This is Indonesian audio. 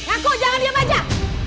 aku jangan diem aja